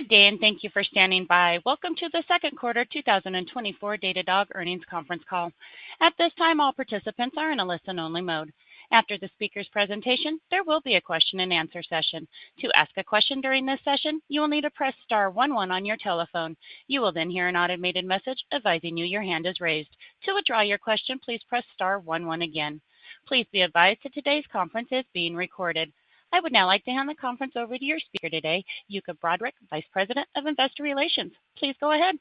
Good day, and thank you for standing by. Welcome to the second quarter 2024 Datadog earnings conference call. At this time, all participants are in a listen-only mode. After the speaker's presentation, there will be a question-and-answer session. To ask a question during this session, you will need to press star one one on your telephone. You will then hear an automated message advising you your hand is raised. To withdraw your question, please press star one one again. Please be advised that today's conference is being recorded. I would now like to hand the conference over to your speaker today, Yuka Broderick, Vice President of Investor Relations. Please go ahead.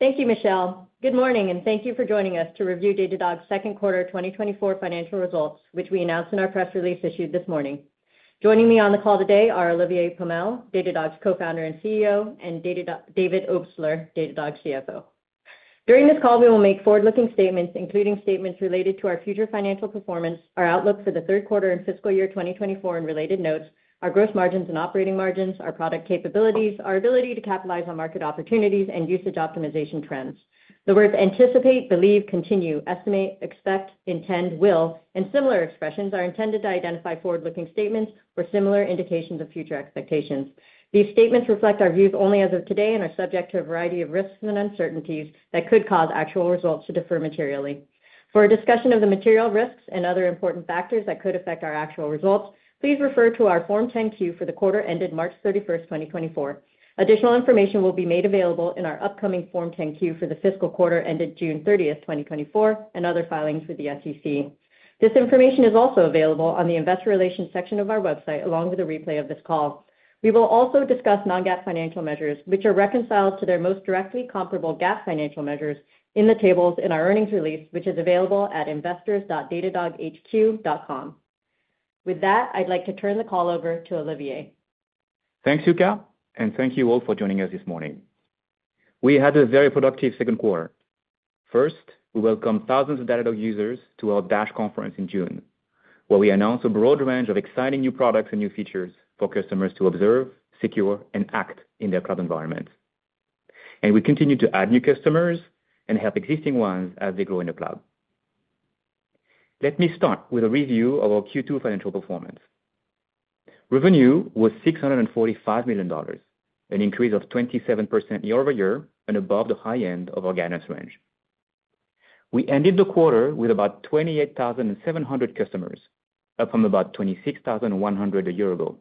Thank you, Michelle. Good morning, and thank you for joining us to review Datadog's second quarter 2024 financial results, which we announced in our press release issued this morning. Joining me on the call today are Olivier Pomel, Datadog's Co-founder and CEO, and David Obstler, Datadog's CFO. During this call, we will make forward-looking statements, including statements related to our future financial performance, our outlook for the third quarter and fiscal year 2024 and related notes, our gross margins and operating margins, our product capabilities, our ability to capitalize on market opportunities, and usage optimization trends. The words anticipate, believe, continue, estimate, expect, intend, will, and similar expressions are intended to identify forward-looking statements or similar indications of future expectations. These statements reflect our views only as of today and are subject to a variety of risks and uncertainties that could cause actual results to differ materially. For a discussion of the material risks and other important factors that could affect our actual results, please refer to our Form 10-Q for the quarter ended March 31, 2024. Additional information will be made available in our upcoming Form 10-Q for the fiscal quarter ended June 30, 2024, and other filings with the SEC. This information is also available on the investor relations section of our website, along with a replay of this call. We will also discuss non-GAAP financial measures, which are reconciled to their most directly comparable GAAP financial measures in the tables in our earnings release, which is available at investors.datadoghq.com. With that, I'd like to turn the call over to Olivier. Thanks, Yuka, and thank you all for joining us this morning. We had a very productive second quarter. First, we welcomed thousands of Datadog users to our DASH conference in June, where we announced a broad range of exciting new products and new features for customers to observe, secure, and act in their cloud environment. We continue to add new customers and help existing ones as they grow in the cloud. Let me start with a review of our Q2 financial performance. Revenue was $645 million, an increase of 27% year-over-year and above the high end of our guidance range. We ended the quarter with about 28,700 customers, up from about 26,100 a year ago.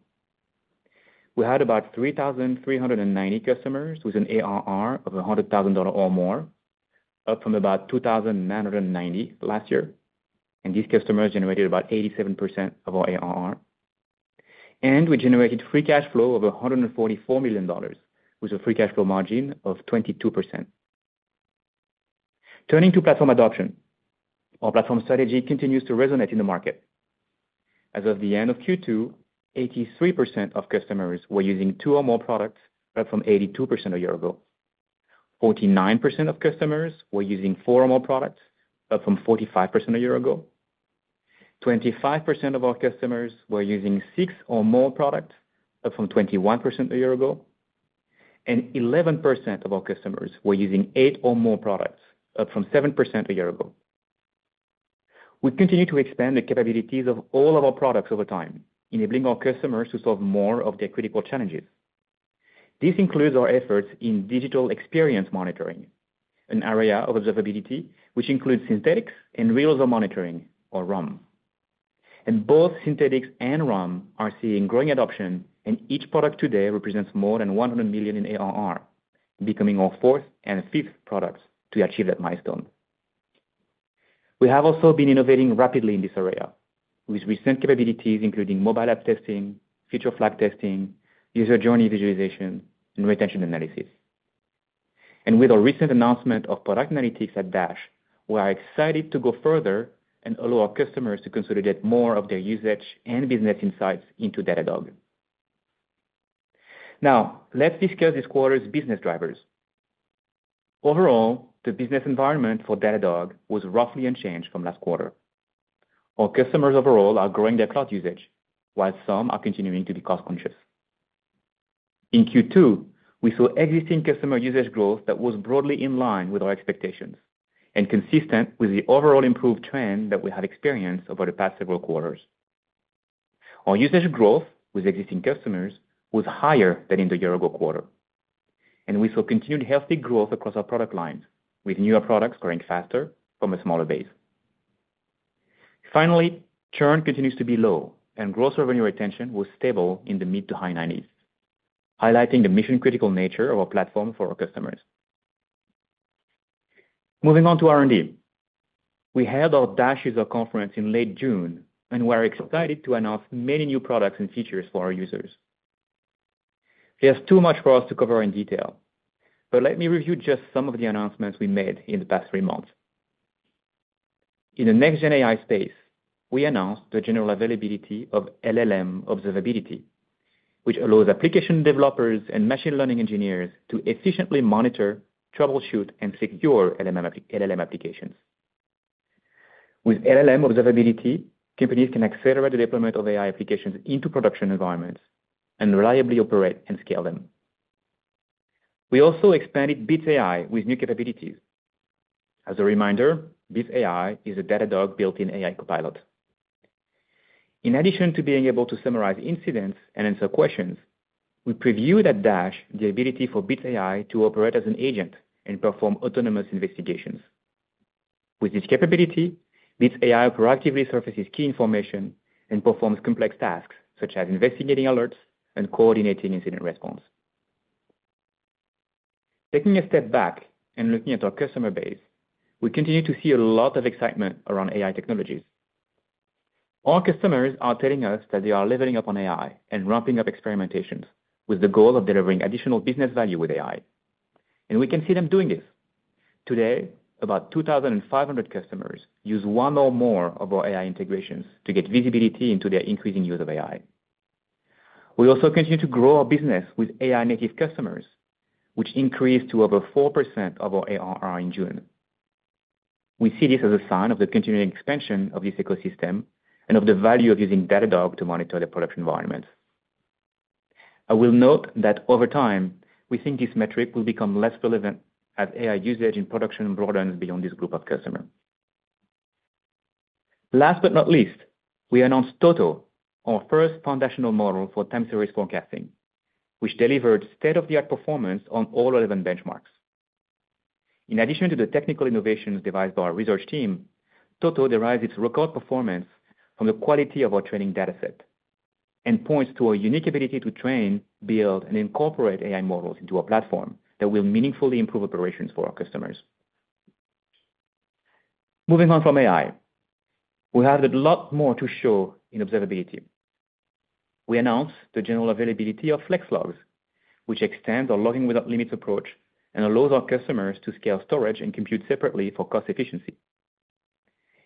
We had about 3,390 customers with an ARR of $100,000 or more, up from about 2,990 last year, and these customers generated about 87% of our ARR. We generated free cash flow of $144 million, with a free cash flow margin of 22%. Turning to platform adoption. Our platform strategy continues to resonate in the market. As of the end of Q2, 83% of customers were using two or more products, up from 82% a year ago. 49% of customers were using four or more products, up from 45% a year ago. 25% of our customers were using 6 or more products, up from 21% a year ago, and 11% of our customers were using 8 or more products, up from 7% a year ago. We continue to expand the capabilities of all of our products over time, enabling our customers to solve more of their critical challenges. This includes our efforts in digital experience monitoring, an area of observability, which includes Synthetics and Real User Monitoring or RUM, and both Synthetics and RUM are seeing growing adoption, and each product today represents more than $100 million in ARR, becoming our fourth and fifth products to achieve that milestone. We have also been innovating rapidly in this area, with recent capabilities including mobile app testing, feature flag testing, user journey visualization, and retention analysis. And with our recent announcement of Product Analytics at DASH, we are excited to go further and allow our customers to consolidate more of their usage and business insights into Datadog. Now, let's discuss this quarter's business drivers. Overall, the business environment for Datadog was roughly unchanged from last quarter. Our customers overall are growing their cloud usage, while some are continuing to be cost conscious. In Q2, we saw existing customer usage growth that was broadly in line with our expectations and consistent with the overall improved trend that we have experienced over the past several quarters. Our usage growth with existing customers was higher than in the year-ago quarter, and we saw continued healthy growth across our product lines, with newer products growing faster from a smaller base. Finally, churn continues to be low, and gross revenue retention was stable in the mid- to high 90s, highlighting the mission-critical nature of our platform for our customers. Moving on to R&D. We held our DASH user conference in late June, and we're excited to announce many new products and features for our users. There's too much for us to cover in detail, but let me review just some of the announcements we made in the past three months. In the next-gen AI space, we announced the general availability of LLM Observability, which allows application developers and machine learning engineers to efficiently monitor, troubleshoot, and secure LLM applications. With LLM Observability, companies can accelerate the deployment of AI applications into production environments and reliably operate and scale them. We also expanded Bits AI with new capabilities. As a reminder, Bits AI is a Datadog built-in AI copilot. In addition to being able to summarize incidents and answer questions, we previewed at DASH the ability for Bits AI to operate as an agent and perform autonomous investigations. With this capability, Bits AI proactively surfaces key information and performs complex tasks, such as investigating alerts and coordinating incident response. Taking a step back and looking at our customer base, we continue to see a lot of excitement around AI technologies. Our customers are telling us that they are leveling up on AI and ramping up experimentations, with the goal of delivering additional business value with AI, and we can see them doing this. Today, about 2,500 customers use one or more of our AI integrations to get visibility into their increasing use of AI. We also continue to grow our business with AI-native customers, which increased to over 4% of our ARR in June. We see this as a sign of the continuing expansion of this ecosystem and of the value of using Datadog to monitor their product environment. I will note that over time, we think this metric will become less relevant as AI usage in production broadens beyond this group of customers. Last but not least, we announced Toto, our first foundational model for time series forecasting, which delivered state-of-the-art performance on all relevant benchmarks. In addition to the technical innovations devised by our research team, Toto derives its record performance from the quality of our training data set and points to a unique ability to train, build, and incorporate AI models into our platform that will meaningfully improve operations for our customers. Moving on from AI, we have a lot more to show in observability. We announced the general availability of Flex Logs, which extends our logging-without-limits approach and allows our customers to scale storage and compute separately for cost efficiency.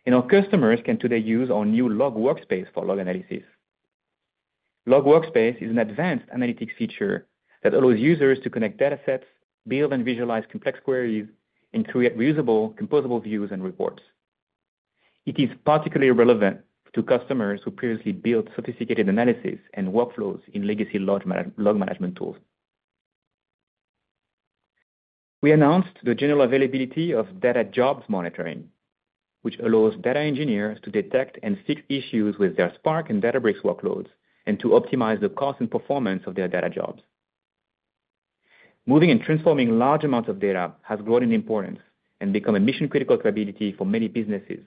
Our customers can today use our new Log Workspace for log analysis. Log Workspace is an advanced analytics feature that allows users to connect data sets, build and visualize complex queries, and create reusable, composable views and reports. It is particularly relevant to customers who previously built sophisticated analysis and workflows in legacy log management tools. We announced the general availability of Data Jobs Monitoring, which allows data engineers to detect and fix issues with their Spark and Databricks workloads, and to optimize the cost and performance of their data jobs. Moving and transforming large amounts of data has grown in importance and become a mission-critical capability for many businesses,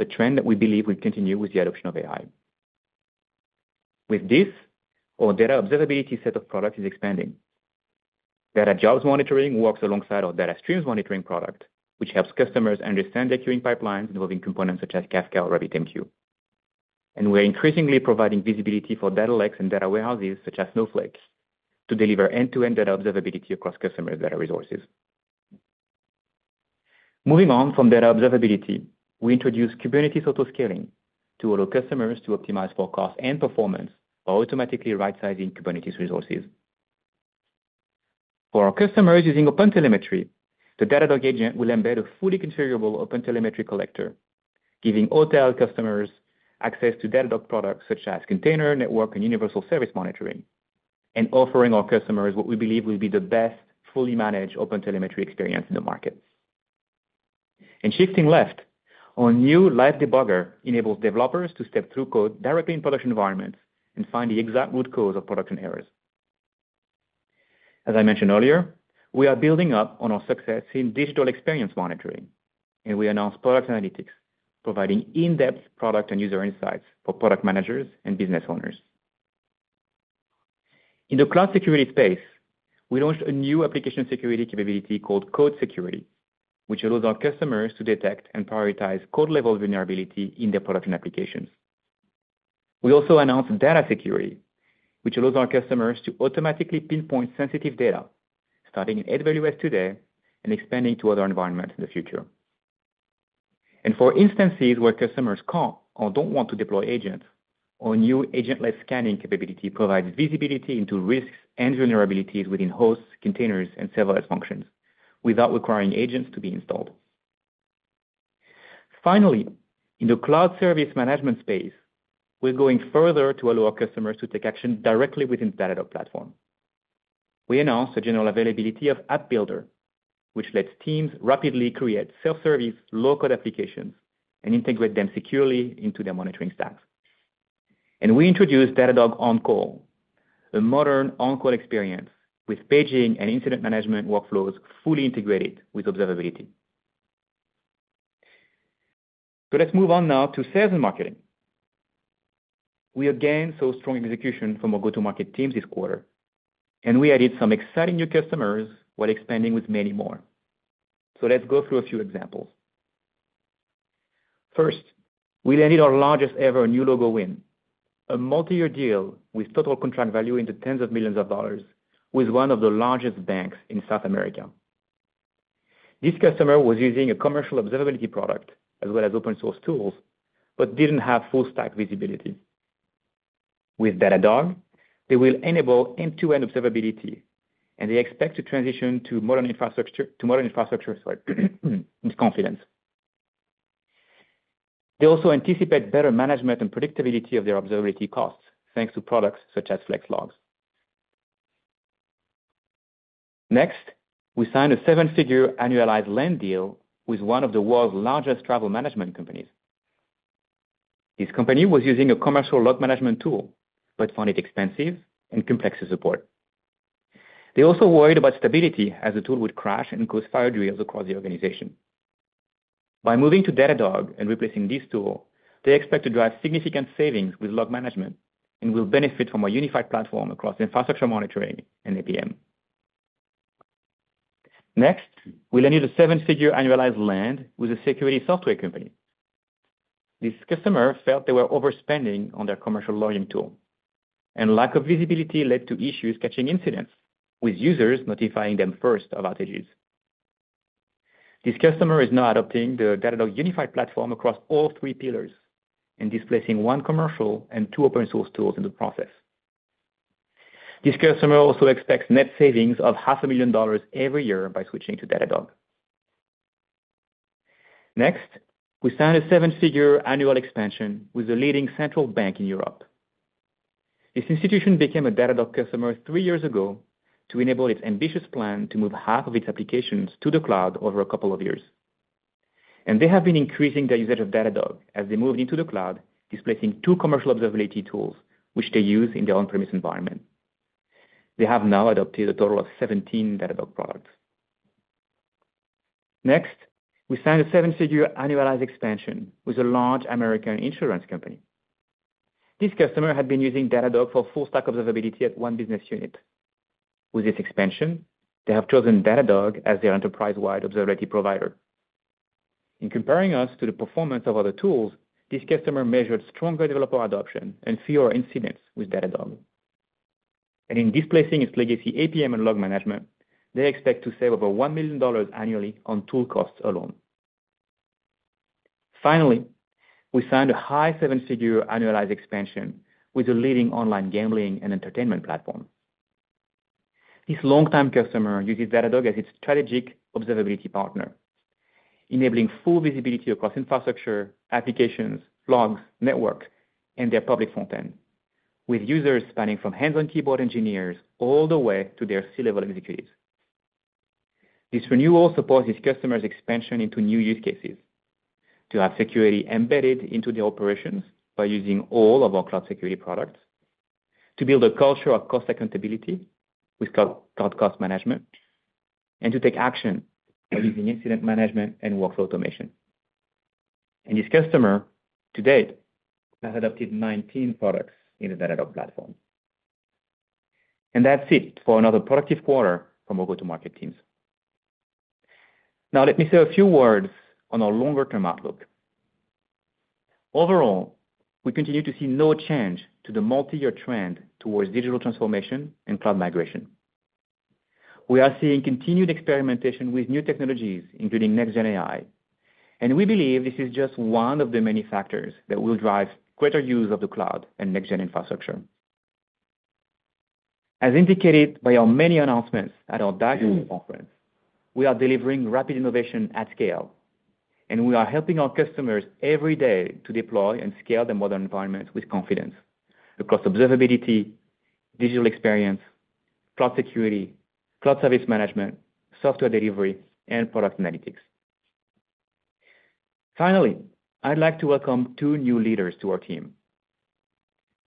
a trend that we believe will continue with the adoption of AI. With this, our data observability set of products is expanding. Data Jobs Monitoring works alongside our Data Streams Monitoring product, which helps customers understand their queuing pipelines, involving components such as Kafka or RabbitMQ. We're increasingly providing visibility for data lakes and data warehouses, such as Snowflake, to deliver end-to-end data observability across customer data resources. Moving on from data observability, we introduced Kubernetes Autoscaling to allow customers to optimize for cost and performance by automatically right-sizing Kubernetes resources. For our customers using OpenTelemetry, the Datadog Agent will embed a fully configurable OpenTelemetry Collector, giving our customers access to Datadog products such as container, network, and Universal Service Monitoring, and offering our customers what we believe will be the best fully managed OpenTelemetry experience in the market. Shifting left, our new Live Debugger enables developers to step through code directly in production environments and find the exact root cause of production errors. As I mentioned earlier, we are building up on our success in digital experience monitoring, and we announced Product Analytics, providing in-depth product and user insights for product managers and business owners. In the cloud security space, we launched a new application security capability called Code Security, which allows our customers to detect and prioritize code-level vulnerability in their production applications. We also announced Data Security, which allows our customers to automatically pinpoint sensitive data, starting in AWS today and expanding to other environments in the future. For instances where customers can't or don't want to deploy agents, our new Agentless Scanning capability provides visibility into risks and vulnerabilities within hosts, containers, and serverless functions without requiring agents to be installed. Finally, in the cloud service management space, we're going further to allow our customers to take action directly within Datadog platform. We announced the general availability of App Builder, which lets teams rapidly create self-service, low-code applications and integrate them securely into their monitoring stacks. We introduced Datadog On-Call, a modern on-call experience with paging and Incident Management workflows fully integrated with observability. Let's move on now to sales and marketing. We again saw strong execution from our go-to-market teams this quarter, and we added some exciting new customers while expanding with many more. Let's go through a few examples. First, we landed our largest-ever new logo win, a multi-year deal with total contract value of tens of millions of dollars, with one of the largest banks in South America. This customer was using a commercial observability product as well as open-source tools, but didn't have full stack visibility. With Datadog, they will enable end-to-end observability, and they expect to transition to modern infrastructure with confidence. They also anticipate better management and predictability of their observability costs, thanks to products such as Flex Logs. Next, we signed a 7-figure annualized land deal with one of the world's largest travel management companies. This company was using a commercial log management tool, but found it expensive and complex to support. They also worried about stability as the tool would crash and cause fire drills across the organization. By moving to Datadog and replacing this tool, they expect to drive significant savings with log management and will benefit from a unified platform across infrastructure monitoring and APM. Next, we landed a seven-figure annualized land with a security software company. This customer felt they were overspending on their commercial logging tool, and lack of visibility led to issues catching incidents, with users notifying them first of outages. This customer is now adopting the Datadog unified platform across all three pillars and displacing one commercial and two open source tools in the process. This customer also expects net savings of $500,000 every year by switching to Datadog. Next, we signed a seven-figure annual expansion with a leading central bank in Europe. This institution became a Datadog customer three years ago to enable its ambitious plan to move half of its applications to the cloud over a couple of years. They have been increasing their usage of Datadog as they moved into the cloud, displacing two commercial observability tools, which they use in their on-premise environment. They have now adopted a total of 17 Datadog products. Next, we signed a seven-figure annualized expansion with a large American insurance company. This customer had been using Datadog for full stack observability at one business unit. With this expansion, they have chosen Datadog as their enterprise-wide observability provider. In comparing us to the performance of other tools, this customer measured stronger developer adoption and fewer incidents with Datadog. In displacing its legacy APM and log management, they expect to save over $1 million annually on tool costs alone. Finally, we signed a high seven-figure annualized expansion with a leading online gambling and entertainment platform. This long-time customer uses Datadog as its strategic observability partner, enabling full visibility across infrastructure, applications, logs, network, and their public front end, with users spanning from hands-on keyboard engineers all the way to their C-level executives. This renewal supports this customer's expansion into new use cases to have security embedded into the operations by using all of our cloud security products, to build a culture of cost accountability with Cloud Cost Management, and to take action by using Incident Management and workflow automation. This customer, to date, has adopted 19 products in the Datadog platform. That's it for another productive quarter from our go-to-market teams. Now, let me say a few words on our longer-term outlook. Overall, we continue to see no change to the multi-year trend towards digital transformation and cloud migration. We are seeing continued experimentation with new technologies, including next gen AI, and we believe this is just one of the many factors that will drive greater use of the cloud and next gen infrastructure. As indicated by our many announcements at our DASH conference, we are delivering rapid innovation at scale, and we are helping our customers every day to deploy and scale their modern environment with confidence across observability, digital experience, cloud security, cloud service management, software delivery, and product analytics. Finally, I'd like to welcome two new leaders to our team.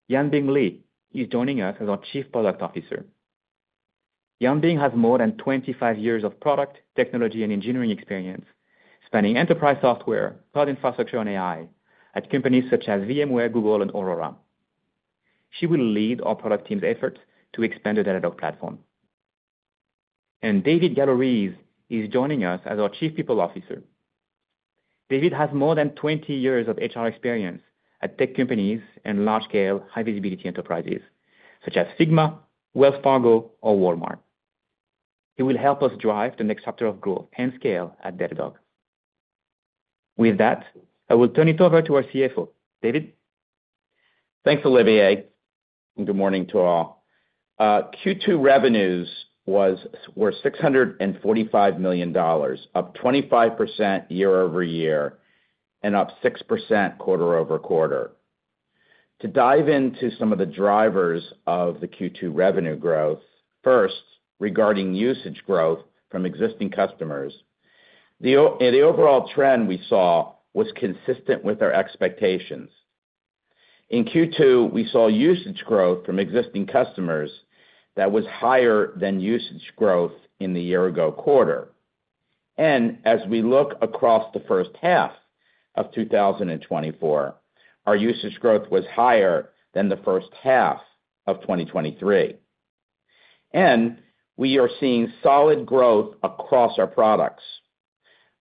Yanbing Li is joining us as our Chief Product Officer. Yanbing has more than 25 years of product, technology, and engineering experience, spanning enterprise software, cloud infrastructure, and AI at companies such as VMware, Google, and Aurora. She will lead our product team's efforts to expand the Datadog platform. And David Galloreese is joining us as our Chief People Officer. David has more than 20 years of HR experience at tech companies and large-scale, high-visibility enterprises such as Cigna, Wells Fargo, or Walmart. He will help us drive the next chapter of growth and scale at Datadog. With that, I will turn it over to our CFO. David? Thanks, Olivier, and good morning to all. Q2 revenues were $645 million, up 25% year-over-year and up 6% quarter-over-quarter. To dive into some of the drivers of the Q2 revenue growth, first, regarding usage growth from existing customers, the overall trend we saw was consistent with our expectations. In Q2, we saw usage growth from existing customers that was higher than usage growth in the year ago quarter. And as we look across the first half of 2024, our usage growth was higher than the first half of 2023. And we are seeing solid growth across our products.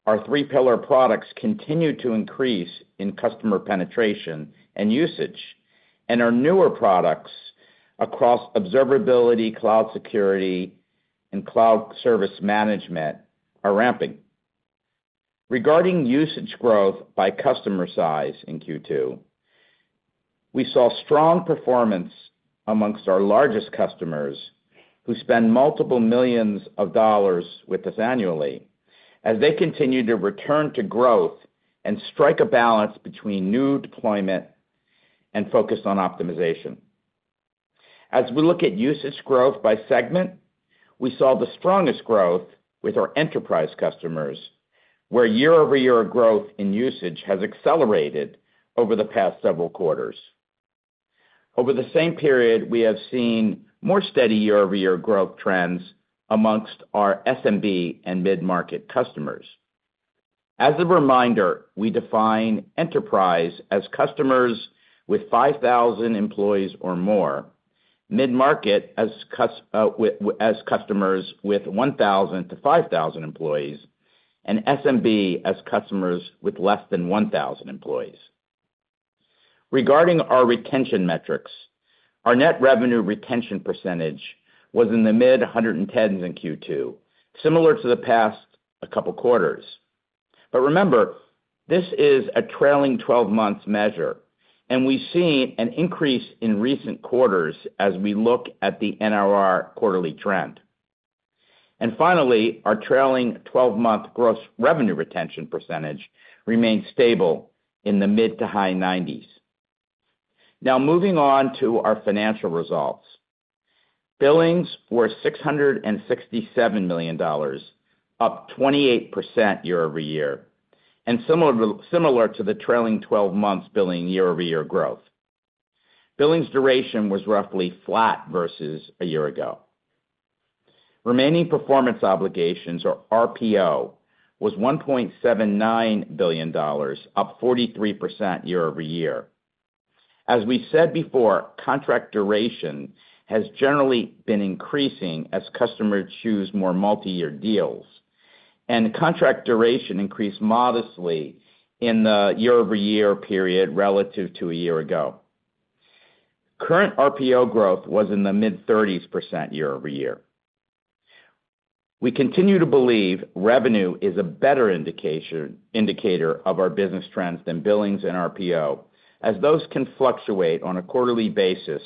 Our three pillar products continue to increase in customer penetration and usage, and our newer products across observability, cloud security, and cloud service management are ramping. Regarding usage growth by customer size in Q2-... We saw strong performance among our largest customers, who spend multiple $ millions with us annually, as they continued to return to growth and strike a balance between new deployment and focus on optimization. As we look at usage growth by segment, we saw the strongest growth with our enterprise customers, where year-over-year growth in usage has accelerated over the past several quarters. Over the same period, we have seen more steady year-over-year growth trends among our SMB and mid-market customers. As a reminder, we define enterprise as customers with 5,000 employees or more, mid-market as customers with 1,000 to 5,000 employees, and SMB as customers with less than 1,000 employees. Regarding our retention metrics, our net revenue retention percentage was in the mid-100s in Q2, similar to the past couple quarters. But remember, this is a trailing twelve months measure, and we've seen an increase in recent quarters as we look at the NRR quarterly trend. And finally, our trailing twelve-month gross revenue retention percentage remains stable in the mid- to high 90s. Now, moving on to our financial results. Billings were $667 million, up 28% year-over-year, and similar, similar to the trailing twelve months billing year-over-year growth. Billings duration was roughly flat versus a year ago. Remaining performance obligations, or RPO, was $1.79 billion, up 43% year-over-year. As we said before, contract duration has generally been increasing as customers choose more multi-year deals, and contract duration increased modestly in the year-over-year period relative to a year ago. Current RPO growth was in the mid-30s% year-over-year. We continue to believe revenue is a better indicator of our business trends than billings and RPO, as those can fluctuate on a quarterly basis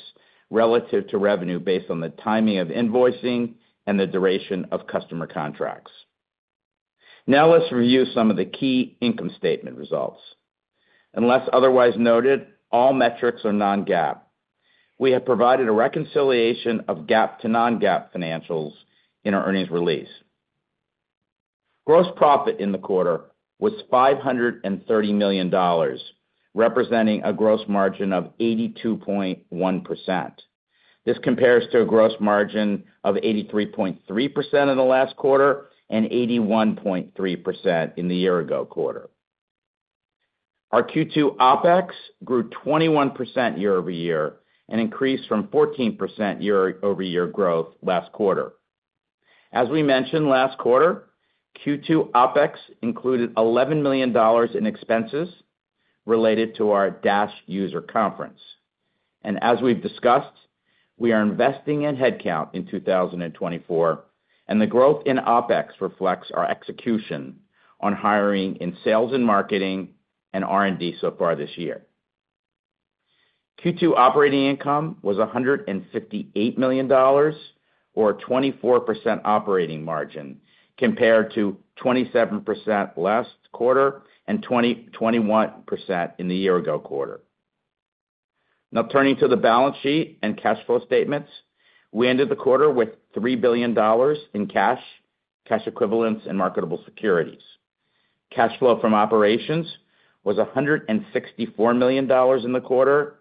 relative to revenue based on the timing of invoicing and the duration of customer contracts. Now, let's review some of the key income statement results. Unless otherwise noted, all metrics are non-GAAP. We have provided a reconciliation of GAAP to non-GAAP financials in our earnings release. Gross profit in the quarter was $530 million, representing a gross margin of 82.1%. This compares to a gross margin of 83.3% in the last quarter and 81.3% in the year-ago quarter. Our Q2 OpEx grew 21% year-over-year and increased from 14% year-over-year growth last quarter. As we mentioned last quarter, Q2 OpEx included $11 million in expenses related to our DASH user conference. As we've discussed, we are investing in headcount in 2024, and the growth in OpEx reflects our execution on hiring in sales and marketing and R&D so far this year. Q2 operating income was $158 million, or a 24% operating margin, compared to 27% last quarter and 21% in the year-ago quarter. Now, turning to the balance sheet and cash flow statements. We ended the quarter with $3 billion in cash, cash equivalents, and marketable securities. Cash flow from operations was $164 million in the quarter,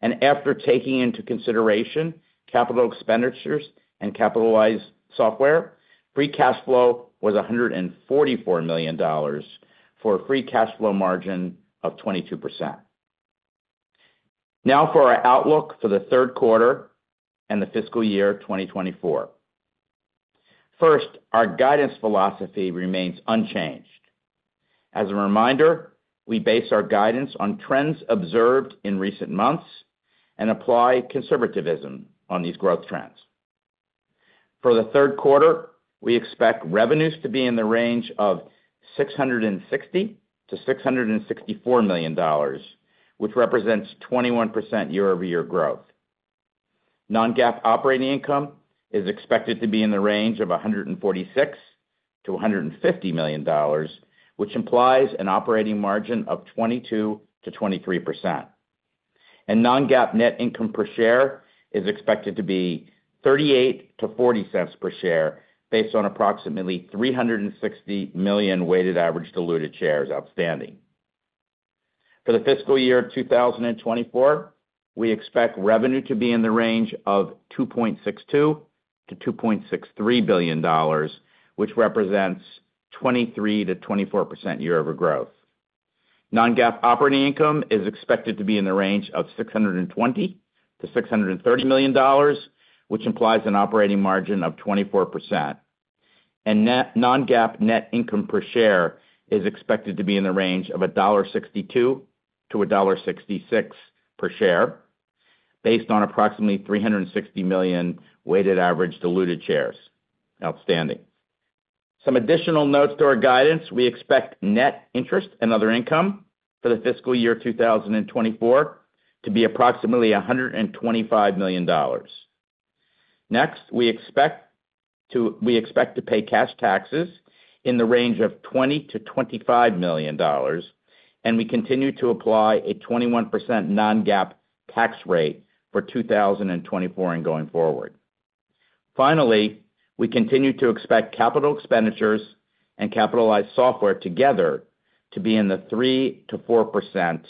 and after taking into consideration capital expenditures and capitalized software, free cash flow was $144 million, for a free cash flow margin of 22%. Now, for our outlook for the third quarter and the fiscal year 2024. First, our guidance philosophy remains unchanged. As a reminder, we base our guidance on trends observed in recent months and apply conservatism on these growth trends. For the third quarter, we expect revenues to be in the range of $660 million-$664 million, which represents 21% year-over-year growth. Non-GAAP operating income is expected to be in the range of $146 million-$150 million, which implies an operating margin of 22%-23%. And non-GAAP net income per share is expected to be $0.38-$0.40 per share, based on approximately 360 million weighted average diluted shares outstanding. For the fiscal year 2024, we expect revenue to be in the range of $2.62 billion-$2.63 billion, which represents 23%-24% year-over-year growth. Non-GAAP operating income is expected to be in the range of $620 million-$630 million, which implies an operating margin of 24%. And non-GAAP net income per share is expected to be in the range of $1.62-$1.66 per share, based on approximately 360 million weighted average diluted shares outstanding. Some additional notes to our guidance, we expect net interest and other income for the fiscal year 2024 to be approximately $125 million. Next, we expect to pay cash taxes in the range of $20 million-$25 million, and we continue to apply a 21% non-GAAP tax rate for 2024 and going forward. Finally, we continue to expect capital expenditures and capitalized software together to be in the 3%-4%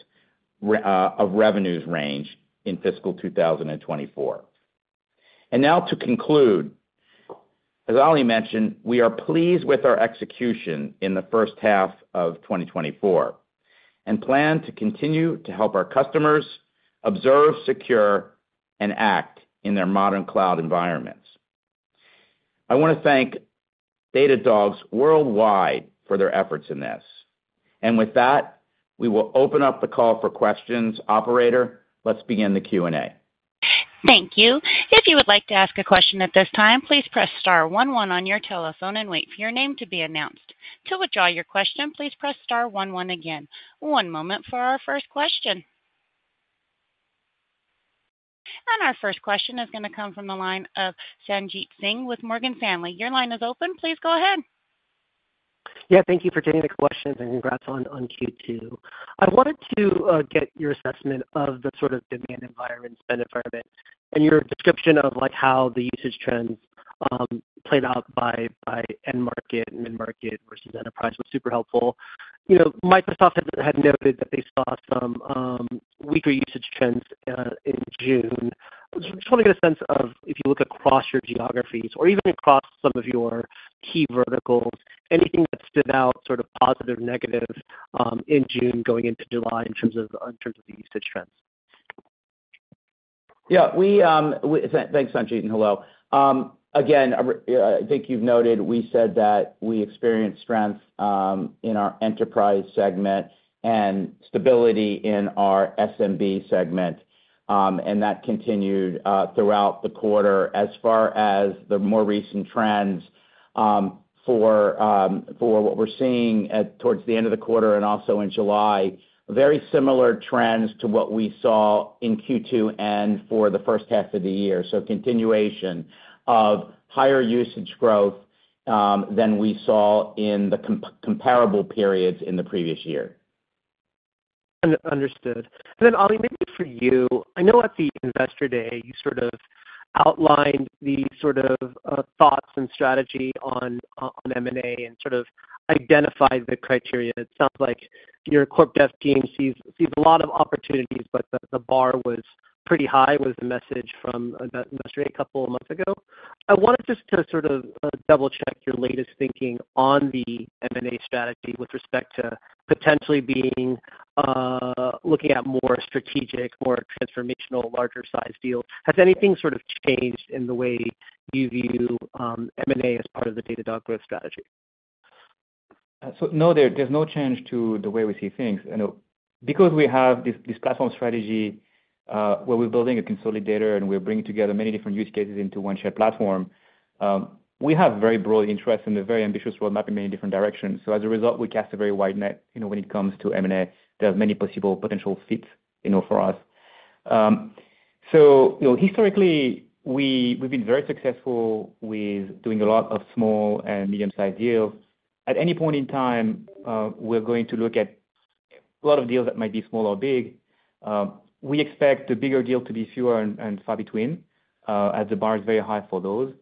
of revenues range in fiscal 2024. Now, to conclude, as Oli mentioned, we are pleased with our execution in the first half of 2024, and plan to continue to help our customers observe, secure, and act in their modern cloud environments. I wanna thank Datadogs worldwide for their efforts in this. With that, we will open up the call for questions. Operator, let's begin the Q&A. Thank you. If you would like to ask a question at this time, please press star one one on your telephone and wait for your name to be announced. To withdraw your question, please press star one one again. One moment for our first question. Our first question is gonna come from the line of Sanjit Singh with Morgan Stanley. Your line is open. Please go ahead. Yeah, thank you for taking the questions, and congrats on Q2. I wanted to get your assessment of the sort of demand environment, spend environment, and your description of, like, how the usage trends played out by end market, mid-market versus enterprise was super helpful. You know, Microsoft had noted that they saw some weaker usage trends in June. Just wanna get a sense of, if you look across your geographies or even across some of your key verticals, anything that stood out, sort of positive, negative, in June going into July, in terms of the usage trends? Yeah, thanks, Sanjit, and hello. Again, I think you've noted, we said that we experienced strength in our enterprise segment and stability in our SMB segment, and that continued throughout the quarter. As far as the more recent trends, for what we're seeing towards the end of the quarter and also in July, very similar trends to what we saw in Q2 and for the first half of the year. So continuation of higher usage growth than we saw in the comparable periods in the previous year. Understood. Then, Oli, maybe for you. I know at the Investor Day, you sort of outlined the sort of thoughts and strategy on on M&A and sort of identified the criteria. It sounds like your corp dev team sees a lot of opportunities, but the bar was pretty high, was the message from that investor a couple of months ago. I wanted just to sort of double-check your latest thinking on the M&A strategy with respect to potentially being looking at more strategic, more transformational, larger-sized deals. Has anything sort of changed in the way you view M&A as part of the Datadog growth strategy? So no, there, there's no change to the way we see things. You know, because we have this, this platform strategy, where we're building a consolidator, and we're bringing together many different use cases into one shared platform, we have very broad interest and a very ambitious roadmap in many different directions. So as a result, we cast a very wide net, you know, when it comes to M&A. There are many possible potential fits, you know, for us. So, you know, historically, we've been very successful with doing a lot of small and medium-sized deals. At any point in time, we're going to look at a lot of deals that might be small or big. We expect the bigger deal to be fewer and far between, as the bar is very high for those.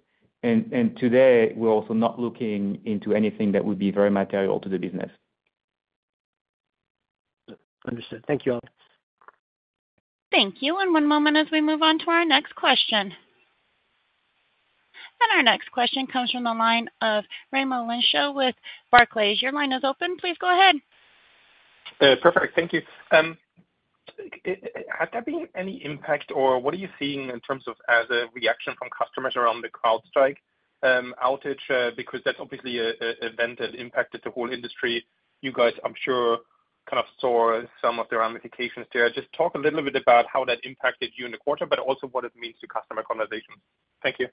And today, we're also not looking into anything that would be very material to the business. Understood. Thank you, Oli. Thank you, and one moment as we move on to our next question. Our next question comes from the line of Raimo Lenschow with Barclays. Your line is open. Please go ahead. Perfect. Thank you. Has there been any impact, or what are you seeing in terms of as a reaction from customers around the CrowdStrike outage? Because that's obviously a event that impacted the whole industry. You guys, I'm sure, kind of saw some of the ramifications there. Just talk a little bit about how that impacted you in the quarter, but also what it means to customer conversations. Thank you.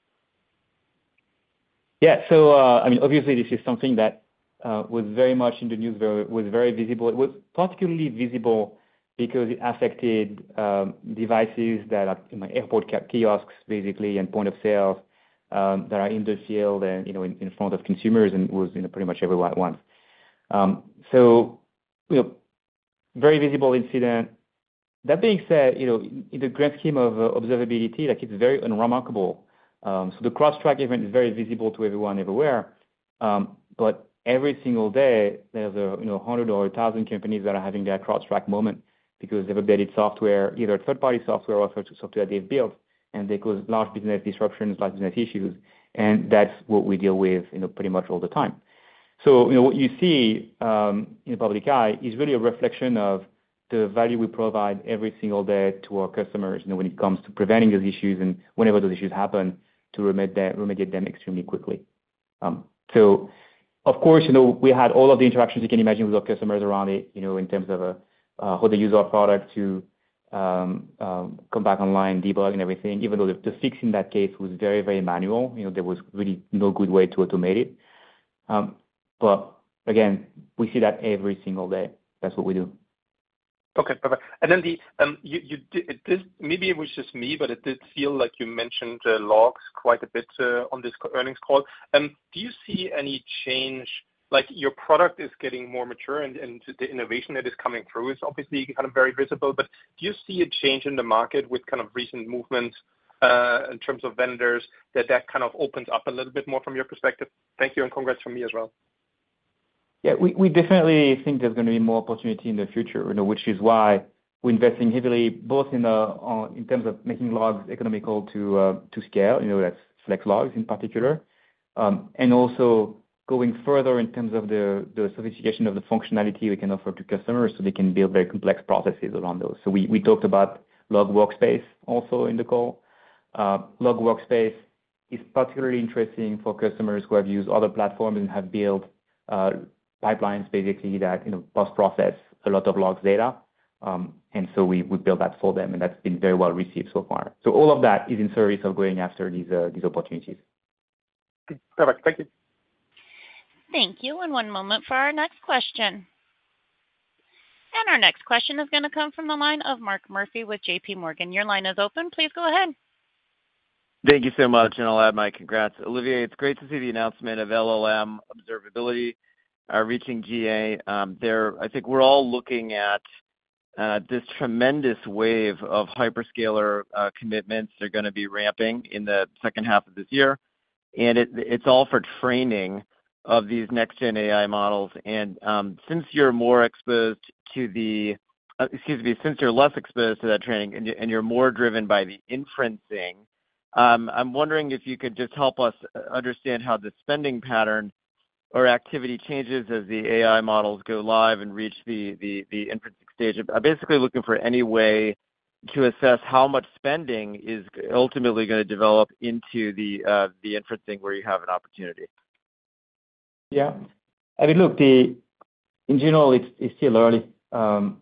Yeah. So, I mean, obviously, this is something that was very much in the news, very visible. It was particularly visible because it affected devices that are, you know, airport check-in kiosks, basically, and point of sale that are in the field and, you know, in front of consumers, and was, you know, pretty much everywhere at once. So, you know, very visible incident. That being said, you know, in the grand scheme of observability, like, it's very unremarkable. So the CrowdStrike event is very visible to everyone everywhere, but every single day, there's a, you know, 100 or 1,000 companies that are having their CrowdStrike moment because they've updated software, either third-party software or software, software that they've built, and they cause large business disruptions, large business issues, and that's what we deal with, you know, pretty much all the time. So, you know, what you see in the public eye is really a reflection of the value we provide every single day to our customers, you know, when it comes to preventing those issues, and whenever those issues happen, to remit them- remediate them extremely quickly. So of course, you know, we had all of the interactions you can imagine with our customers around it, you know, in terms of how they use our product to-... come back online, debug and everything, even though the fix in that case was very, very manual. You know, there was really no good way to automate it. But again, we see that every single day. That's what we do. Okay, perfect. And then the, maybe it was just me, but it did feel like you mentioned the logs quite a bit on this quarter's earnings call. Do you see any change, like your product is getting more mature and the innovation that is coming through is obviously kind of very visible, but do you see a change in the market with kind of recent movements in terms of vendors that that kind of opens up a little bit more from your perspective? Thank you, and congrats from me as well. Yeah, we definitely think there's gonna be more opportunity in the future, you know, which is why we're investing heavily, both in terms of making logs economical to scale, you know, that's Flex Logs in particular. And also going further in terms of the sophistication of the functionality we can offer to customers, so they can build very complex processes around those. So we talked about Log Workspace also in the call. Log Workspace is particularly interesting for customers who have used other platforms and have built pipelines basically that, you know, post-process a lot of logs data. And so we would build that for them, and that's been very well received so far. So all of that is in service of going after these opportunities. Perfect. Thank you. Thank you, and one moment for our next question. Our next question is gonna come from the line of Mark Murphy with JP Morgan. Your line is open. Please go ahead. Thank you so much, and I'll add my congrats, Olivier. It's great to see the announcement of LLM Observability reaching GA. I think we're all looking at this tremendous wave of hyperscaler commitments. They're gonna be ramping in the second half of this year, and it, it's all for training of these next-gen AI models. And since you're more exposed to the, excuse me, since you're less exposed to that training and you're more driven by the inferencing, I'm wondering if you could just help us understand how the spending pattern or activity changes as the AI models go live and reach the inferencing stage. I'm basically looking for any way to assess how much spending is ultimately gonna develop into the inferencing where you have an opportunity. Yeah. I mean, look. In general, it's still early.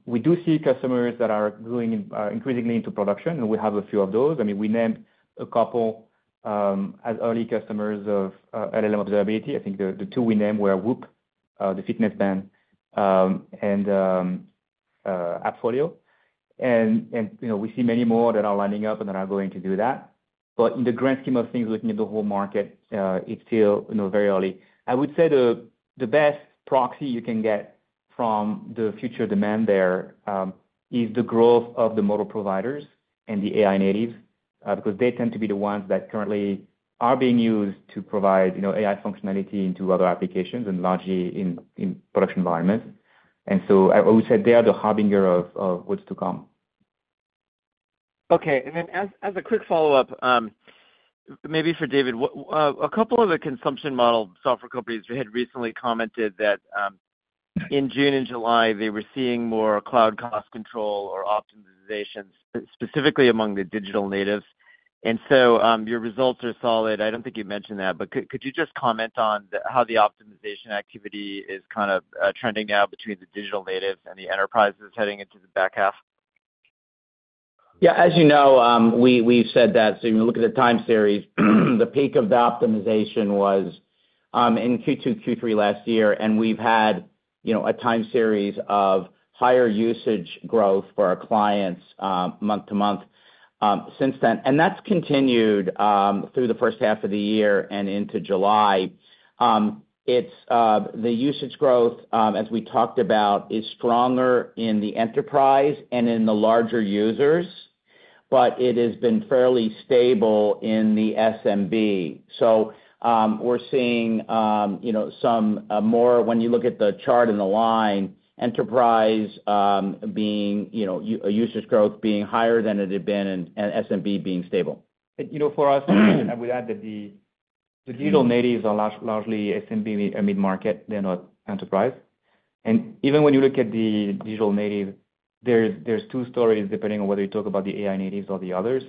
We do see customers that are going increasingly into production, and we have a few of those. I mean, we named a couple as early customers of LLM Observability. I think the two we named were Whoop, the fitness band, and AppFolio. And you know, we see many more that are lining up and that are going to do that. But in the grand scheme of things, looking at the whole market, it's still you know, very early. I would say the best proxy you can get from the future demand there is the growth of the model providers and the AI natives because they tend to be the ones that currently are being used to provide, you know, AI functionality into other applications and largely in production environments. And so I would say they are the harbinger of what's to come. Okay. And then as a quick follow-up, maybe for David, a couple of the consumption model software companies had recently commented that, in June and July, they were seeing more cloud cost control or optimization, specifically among the digital natives. And so, your results are solid. I don't think you've mentioned that, but could you just comment on the, how the optimization activity is kind of, trending now between the digital natives and the enterprises heading into the back half? Yeah, as you know, we've said that, so when you look at the time series, the peak of the optimization was in Q2, Q3 last year, and we've had, you know, a time series of higher usage growth for our clients, month to month, since then. And that's continued through the first half of the year and into July. It's the usage growth, as we talked about, is stronger in the enterprise and in the larger users, but it has been fairly stable in the SMB. So, we're seeing, you know, some more, when you look at the chart and the line, enterprise being, you know, users growth being higher than it had been, and SMB being stable. You know, for us, I would add that the digital natives are largely SMB, mid-market. They're not enterprise. And even when you look at the digital native, there's two stories, depending on whether you talk about the AI natives or the others.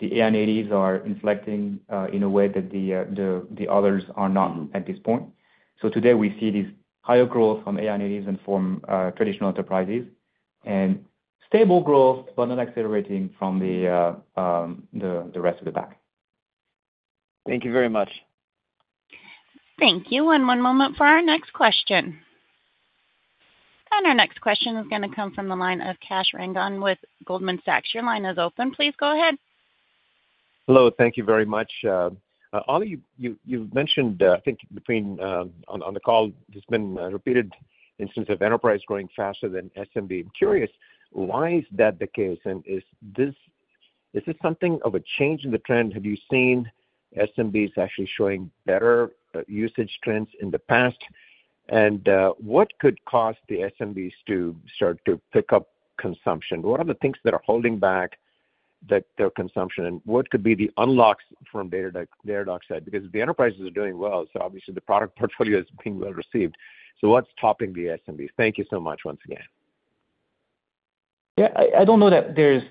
The AI natives are inflecting in a way that the others are not at this point. So today, we see this higher growth from AI natives and from traditional enterprises, and stable growth, but not accelerating from the rest of the pack. Thank you very much. Thank you, and one moment for our next question. Our next question is gonna come from the line of Kash Rangan with Goldman Sachs. Your line is open. Please go ahead. Hello, thank you very much. Oli, you've mentioned, I think on the call, there's been a repeated instance of enterprise growing faster than SMB. I'm curious, why is that the case? And is this something of a change in the trend? Have you seen SMBs actually showing better usage trends in the past? And what could cause the SMBs to start to pick up consumption? What are the things that are holding back that, their consumption, and what could be the unlocks from Datadog, Datadog's side? Because the enterprises are doing well, so obviously the product portfolio is being well received. So what's stopping the SMB? Thank you so much once again. Yeah, I don't know that there's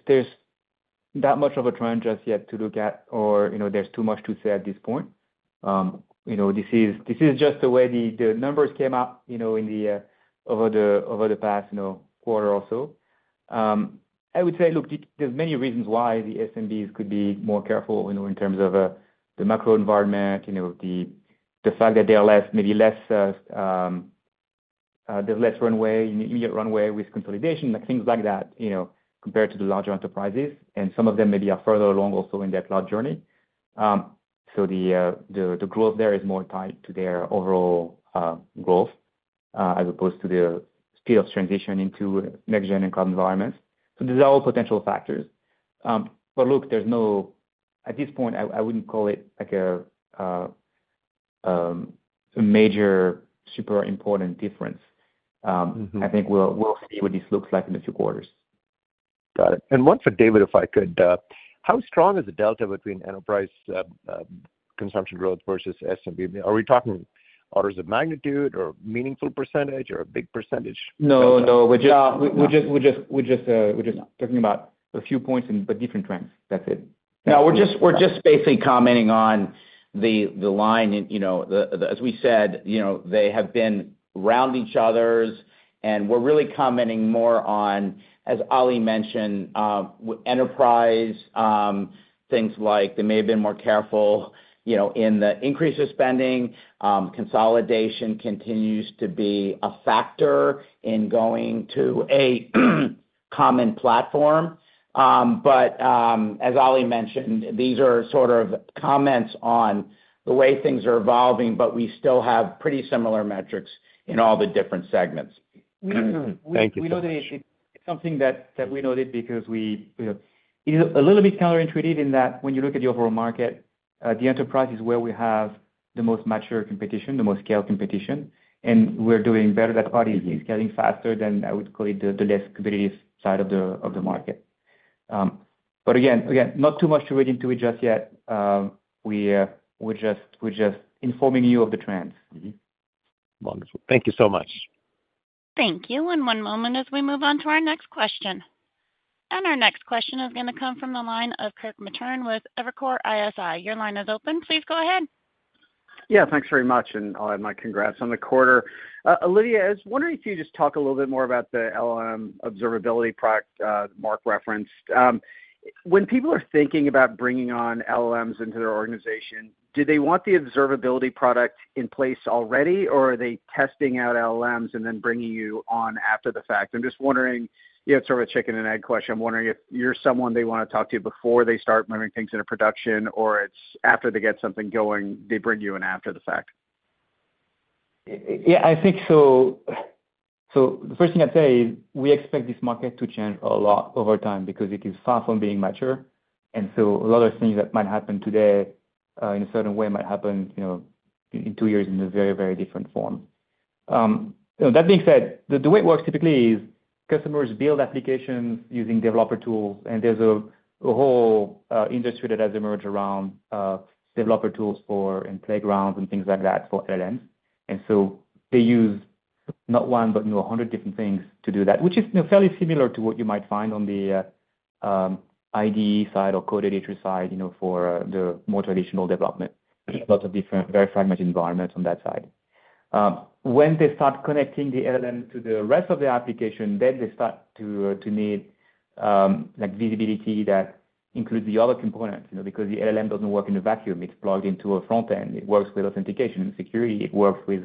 that much of a trend just yet to look at or, you know, there's too much to say at this point. You know, this is just the way the numbers came out, you know, over the past quarter or so. I would say, look, there's many reasons why the SMBs could be more careful, you know, in terms of the macro environment, you know, the fact that they are less, maybe less, there's less runway, immediate runway with consolidation, like, things like that, you know, compared to the larger enterprises, and some of them maybe are further along also in their cloud journey. So the growth there is more tied to their overall growth as opposed to the speed of transition into next gen and cloud environments. So those are all potential factors. But look, there's no at this point. I wouldn't call it like a major, super important difference. Mm-hmm. I think we'll see what this looks like in a few quarters. Got it. And one for David, if I could. How strong is the delta between enterprise consumption growth versus SMB? Are we talking orders of magnitude or meaningful percentage or a big percentage? No, no, we're just- Yeah. We're just talking about a few points but different trends. That's it. No, we're just basically commenting on the line. You know, as we said, you know, they have been around each other's, and we're really commenting more on, as Oli mentioned, enterprise things like they may have been more careful, you know, in the increase of spending. Consolidation continues to be a factor in going to a common platform. But as Oli mentioned, these are sort of comments on the way things are evolving, but we still have pretty similar metrics in all the different segments. Thank you so much. It's something that we noted because we, you know... A little bit counterintuitive in that when you look at the overall market, the enterprise is where we have the most mature competition, the most scaled competition, and we're doing better. That part is scaling faster than I would call it, the less competitive side of the market. But again, not too much to read into it just yet. We're just informing you of the trends. Mm-hmm. Wonderful. Thank you so much. Thank you. One moment as we move on to our next question. Our next question is gonna come from the line of Kirk Materne with Evercore ISI. Your line is open. Please go ahead. Yeah, thanks very much, and I'll add my congrats on the quarter. Olivier, I was wondering if you could just talk a little bit more about the LLM Observability product Mark referenced. When people are thinking about bringing on LLMs into their organization, do they want the observability product in place already, or are they testing out LLMs and then bringing you on after the fact? I'm just wondering, you know, it's sort of a chicken and egg question. I'm wondering if you're someone they wanna talk to before they start moving things into production, or it's after they get something going, they bring you in after the fact. Yeah, I think so. So the first thing I'd say is we expect this market to change a lot over time because it is far from being mature, and so a lot of things that might happen today, in a certain way might happen, you know, in two years in a very, very different form. So that being said, the way it works typically is customers build applications using developer tools, and there's a whole industry that has emerged around developer tools for, and playgrounds and things like that for LLMs. And so they use not one, but, you know, 100 different things to do that, which is, you know, fairly similar to what you might find on the IDE side or code editor side, you know, for the more traditional development. There's lots of different, very fragmented environments on that side. When they start connecting the LLM to the rest of the application, then they start to to need like visibility that includes the other components, you know, because the LLM doesn't work in a vacuum. It's plugged into a front end. It works with authentication and security. It works with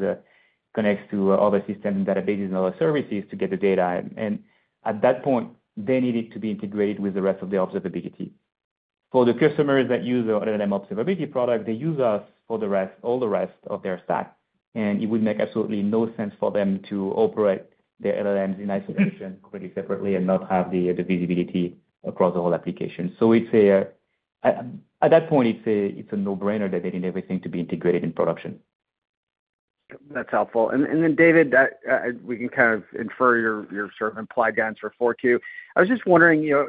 connects to other systems, databases, and other services to get the data. And at that point, they need it to be integrated with the rest of the observability. For the customers that use our LLM Observability product, they use us for the rest, all the rest of their stack, and it would make absolutely no sense for them to operate their LLMs in isolation, completely separately and not have the visibility across the whole application. So we'd say, at that point, it's a no-brainer that they need everything to be integrated in production. That's helpful. And then, David, that we can kind of infer your, your sort of implied answer for Q. I was just wondering, you know,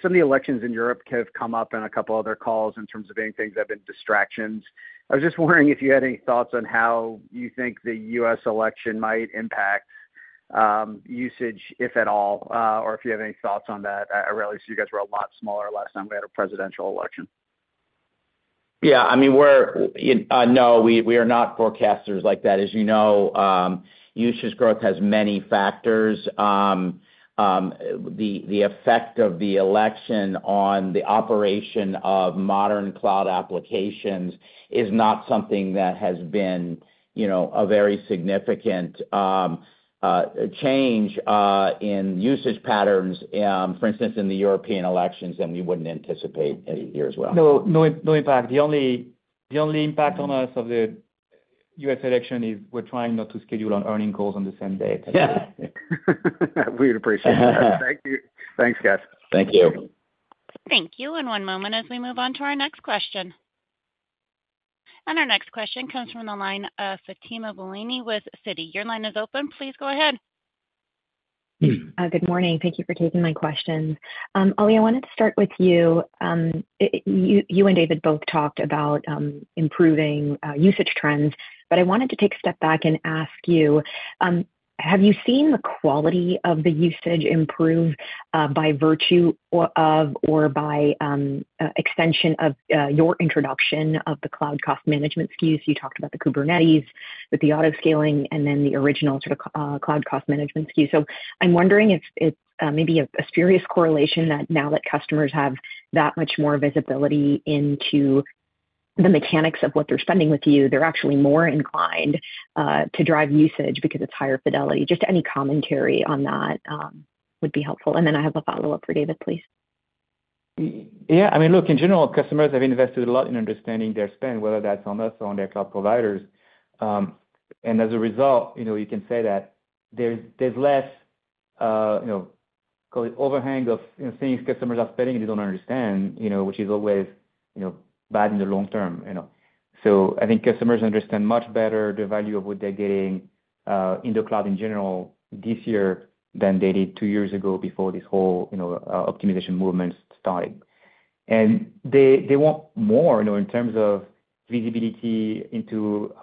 some of the elections in Europe have come up on a couple other calls in terms of any things that have been distractions. I was just wondering if you had any thoughts on how you think the U.S. election might impact usage, if at all, or if you have any thoughts on that. I realize you guys were a lot smaller last time we had a presidential election. Yeah, I mean, no, we are not forecasters like that. As you know, usage growth has many factors. The effect of the election on the operation of modern cloud applications is not something that has been, you know, a very significant change in usage patterns, for instance, in the European elections, and we wouldn't anticipate any here as well. No, no, no impact. The only, the only impact on us of the US election is we're trying not to schedule our earnings calls on the same day. Yeah. We'd appreciate that. Thank you. Thanks, guys. Thank you. Thank you. One moment as we move on to our next question. Our next question comes from the line of Fatima Boolani with Citi. Your line is open. Please go ahead. Good morning. Thank you for taking my questions. Oli, I wanted to start with you. You and David both talked about improving usage trends, but I wanted to take a step back and ask you—Have you seen the quality of the usage improve by virtue or of, or by extension of your introduction of the Cloud Cost Management SKUs? You talked about the Kubernetes with the autoscaling, and then the original sort of Cloud Cost Management SKU. So I'm wondering if it's maybe a serious correlation that now that customers have that much more visibility into the mechanics of what they're spending with you, they're actually more inclined to drive usage because it's higher fidelity. Just any commentary on that would be helpful. And then I have a follow-up for David, please. Yeah, I mean, look, in general, customers have invested a lot in understanding their spend, whether that's on us or on their cloud providers. And as a result, you know, you can say that there's less, you know, call it overhang of, you know, things customers are spending and they don't understand, you know, which is always, you know, bad in the long term, you know. So I think customers understand much better the value of what they're getting in the cloud in general this year than they did two years ago before this whole, you know, optimization movement started. And they want more, you know, in terms of visibility into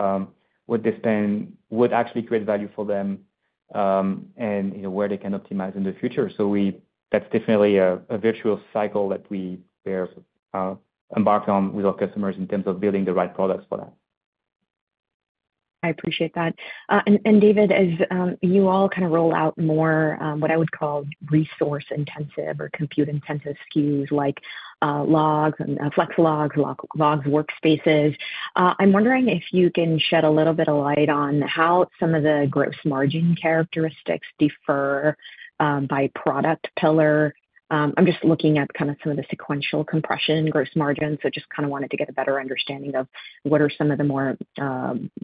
what they spend, what actually creates value for them, and you know, where they can optimize in the future. So that's definitely a virtuous cycle that we are embarked on with our customers in terms of building the right products for that. I appreciate that. And David, as you all kind of roll out more what I would call resource-intensive or compute-intensive SKUs, like logs and Flex Logs, Log Workspaces, I'm wondering if you can shed a little bit of light on how some of the gross margin characteristics differ by product pillar. I'm just looking at kind of some of the sequential compression gross margins, so just kind of wanted to get a better understanding of what are some of the more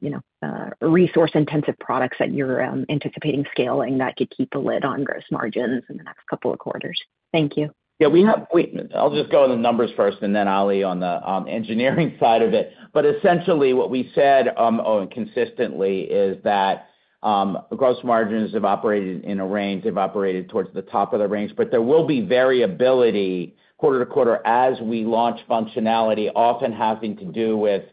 you know resource-intensive products that you're anticipating scaling that could keep a lid on gross margins in the next couple of quarters. Thank you. Yeah, we have. I'll just go in the numbers first, and then Oli on the engineering side of it. But essentially, what we said, oh, and consistently, is that gross margins have operated in a range. They've operated towards the top of the range, but there will be variability quarter to quarter as we launch functionality, often having to do with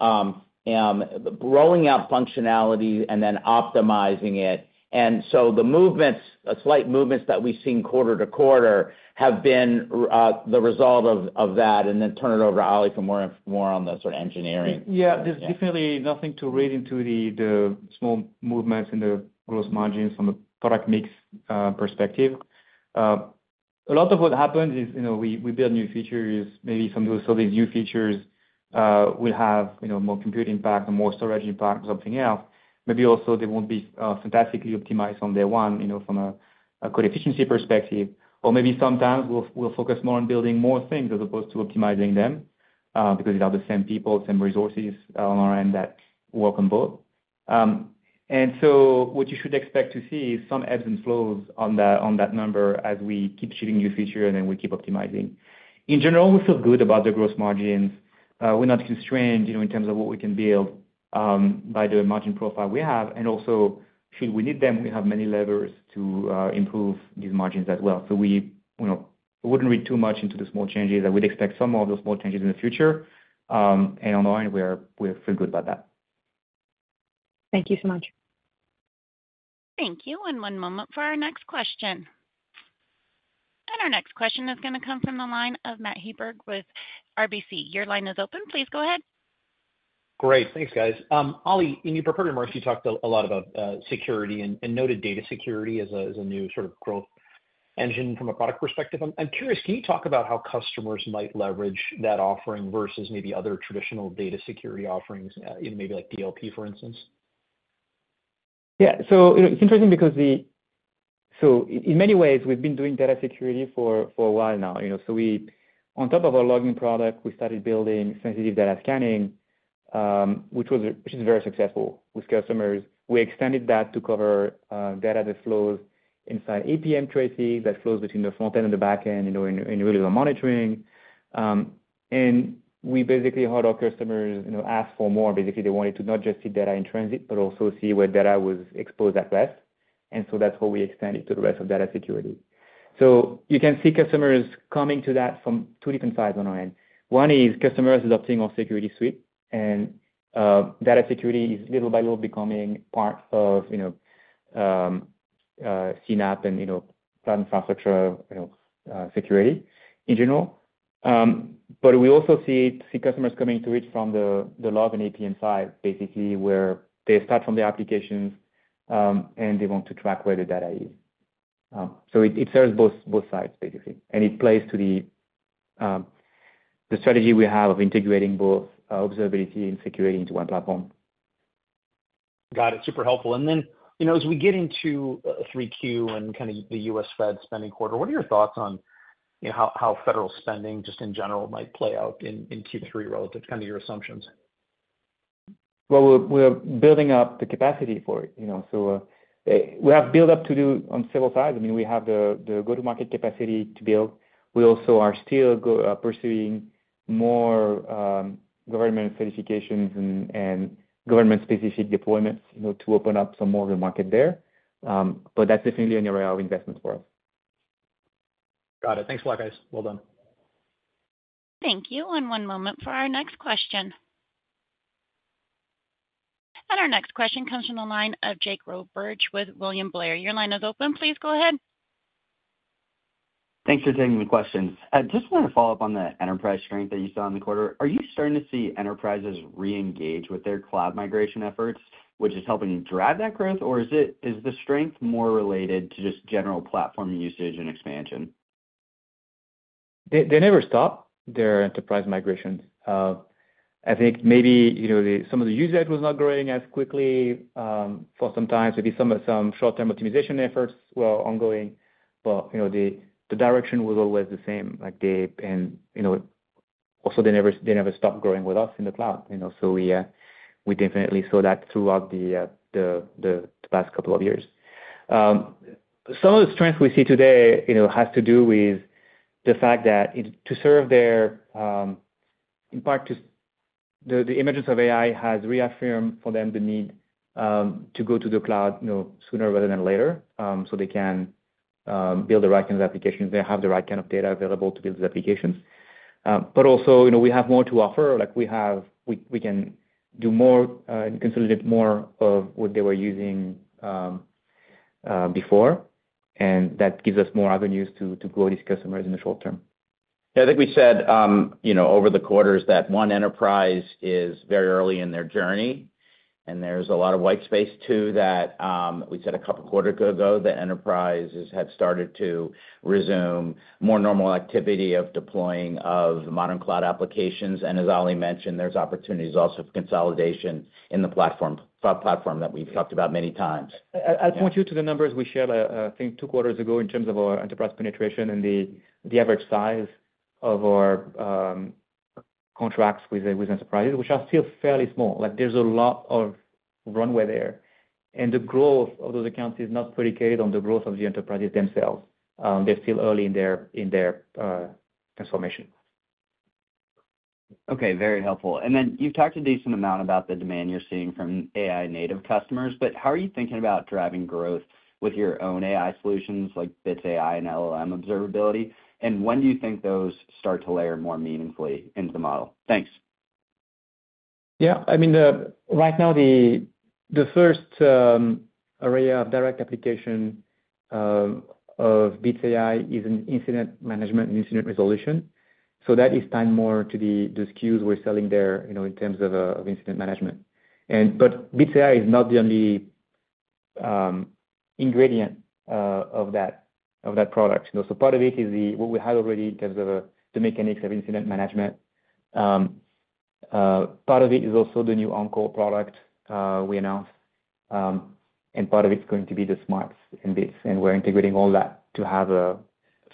growing out functionality and then optimizing it. And so the movements, slight movements that we've seen quarter to quarter, have been the result of that, and then turn it over to Oli for more on the sort of engineering. Yeah, there's definitely nothing to read into the, the small movements in the gross margins from a product mix perspective. A lot of what happens is, you know, we build new features. Maybe some of those new features will have, you know, more compute impact or more storage impact, something else. Maybe also, they won't be fantastically optimized on day one, you know, from a code efficiency perspective. Or maybe sometimes we'll focus more on building more things as opposed to optimizing them because it has the same people, same resources on our end that work on both. And so what you should expect to see is some ebbs and flows on that number as we keep shipping new features and then we keep optimizing. In general, we feel good about the gross margins. We're not constrained, you know, in terms of what we can build, by the margin profile we have, and also, should we need them, we have many levers to improve these margins as well. So we, you know, I wouldn't read too much into the small changes. I would expect some more of those small changes in the future. And on the line, we feel good about that. Thank you so much. Thank you, and one moment for our next question. Our next question is gonna come from the line of Matt Hedberg with RBC. Your line is open. Please go ahead. Great. Thanks, guys. Oli, in your prepared remarks, you talked a lot about security and noted data security as a new sort of growth engine from a product perspective. I'm curious, can you talk about how customers might leverage that offering versus maybe other traditional data security offerings in maybe like DLP, for instance? Yeah. So, you know, it's interesting because. So in many ways, we've been doing Data Security for a while now, you know. So we, on top of our logging product, we started building sensitive data scanning, which was, which is very successful with customers. We extended that to cover data that flows inside APM tracing, that flows between the front end and the back end, you know, in really the monitoring. And we basically heard our customers, you know, ask for more. Basically, they wanted to not just see data in transit, but also see where data was exposed at rest, and so that's how we expanded to the rest of Data Security. So you can see customers coming to that from two different sides on our end. One is customers adopting our security suite, and, data security is little by little becoming part of, you know, CNAPP and, you know, cloud infrastructure, you know, security in general. But we also see customers coming to it from the log and APM side, basically, where they start from the applications, and they want to track where the data is. So it serves both sides, basically, and it plays to the strategy we have of integrating both observability and security into one platform. Got it. Super helpful. And then, you know, as we get into Q3 and kind of the U.S. Fed spending quarter, what are your thoughts on, you know, how federal spending just in general might play out in Q3 relative to kind of your assumptions? Well, we're building up the capacity for it, you know, so we have build up to do on several sides. I mean, we have the go-to-market capacity to build. We also are still pursuing more government certifications and government-specific deployments, you know, to open up some more of the market there. But that's definitely an area of investment for us.... Got it. Thanks a lot, guys. Well done. Thank you. One moment for our next question. Our next question comes from the line of Jake Roberge with William Blair. Your line is open. Please go ahead. Thanks for taking the questions. I just want to follow up on the enterprise strength that you saw in the quarter. Are you starting to see enterprises reengage with their cloud migration efforts, which is helping you drive that growth? Or is the strength more related to just general platform usage and expansion? They never stopped their enterprise migration. I think maybe, you know, some of the usage was not growing as quickly for some time. So maybe some short-term optimization efforts were ongoing. But, you know, the direction was always the same, like, they... And, you know, also, they never stopped growing with us in the cloud, you know, so we definitely saw that throughout the past couple of years. Some of the strength we see today, you know, has to do with the fact that the embrace of AI has reaffirmed for them the need to go to the cloud, you know, sooner rather than later, so they can build the right kind of applications. They have the right kind of data available to build the applications. But also, you know, we have more to offer, like we have—we, we can do more, and consolidate more of what they were using, before, and that gives us more avenues to, to grow these customers in the short term. Yeah, I think we said, you know, over the quarters that one enterprise is very early in their journey, and there's a lot of white space, too, that we said a couple quarters ago, that enterprises have started to resume more normal activity of deploying of modern cloud applications. And as Oli mentioned, there's opportunities also for consolidation in the platform, cloud platform that we've talked about many times. I'll point you to the numbers we shared, I think two quarters ago in terms of our enterprise penetration and the average size of our contracts with enterprises, which are still fairly small. Like, there's a lot of runway there, and the growth of those accounts is not predicated on the growth of the enterprises themselves. They're still early in their transformation. Okay, very helpful. And then you've talked a decent amount about the demand you're seeing from AI-native customers, but how are you thinking about driving growth with your own AI solutions, like Bits AI and LLM Observability? And when do you think those start to layer more meaningfully into the model? Thanks. Yeah, I mean, right now, the first era of direct application of Bits AI is in Incident Management and incident resolution. So that is tied more to the SKUs we're selling there, you know, in terms of Incident Management. But Bits AI is not the only ingredient of that product. You know, so part of it is what we had already in terms of the mechanics of Incident Management. Part of it is also the new On-Call product we announced, and part of it's going to be the smarts in this, and we're integrating all that to have a